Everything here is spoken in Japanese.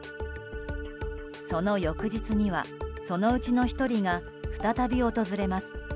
その翌日にはそのうちの１人が再び訪れます。